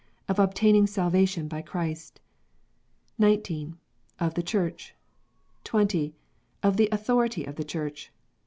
Of obtaining Salvation by Christ. 19. Of the Church. 20. Of the Authority of the Church.